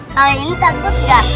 kak ini takut gak